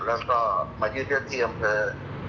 แล้วก็มายืดเดือนที่อำเทิง